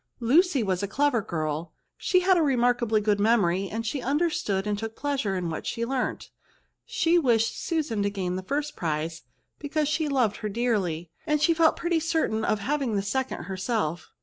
Lucy was a clever girl ; she had a remark ably good memory, and she understood and took pleasure in what she learnt. She wished Susan to gain the first prize, because she loved her dearly ; and she felt pretty certain of having the second herself.